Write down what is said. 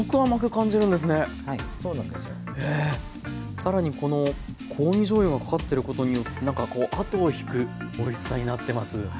更にこの香味じょうゆがかかってることによってなんかこうあとを引くおいしさになってます。